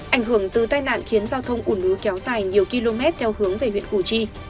ảnh hưởng từ tai nạn khiến giao thông ủn ứ kéo dài nhiều km theo hướng về huyện củ chi